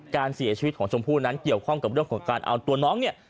การเสียชีวิตของชมพู่นั้นเกี่ยวข้องกับเรื่องของการเอาตัวน้องเนี่ย